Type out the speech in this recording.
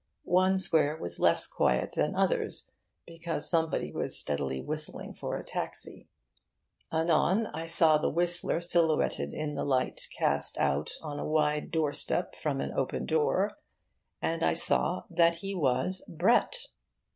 One square was less quiet than others, because somebody was steadily whistling for a taxi. Anon I saw the whistler silhouetted in the light cast out on a wide doorstep from an open door, and I saw that he was Brett.